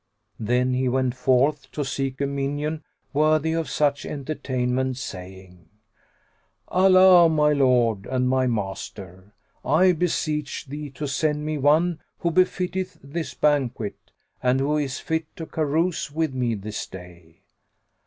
Then he went forth, to seek a minion worthy of such entertainment, saying, "Allah, my Lord and my Master, I beseech Thee to send me one who befitteth this banquet and who is fit to carouse with me this day!"